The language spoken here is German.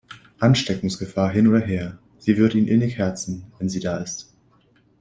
Ansteckungsgefahr hin oder her, sie wird ihn innig herzen, wenn sie da ist.